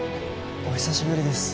お久しぶりです。